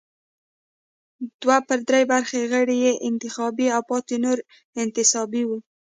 دوه پر درې برخه غړي یې انتخابي او پاتې نور انتصابي وو.